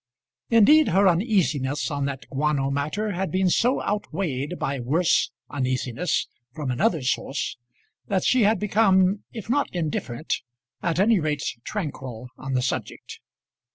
Indeed, her uneasiness on that guano matter had been so outweighed by worse uneasiness from another source, that she had become, if not indifferent, at any rate tranquil on the subject.